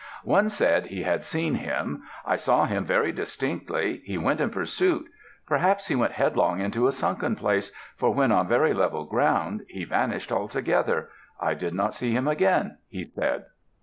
One said he had seen him. "I saw him very distinctly. He went in pursuit. Perhaps he went headlong into a sunken place, for when on very level ground he vanished altogether. I did not see him again," he said.